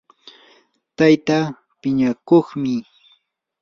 tayta piñakuqmi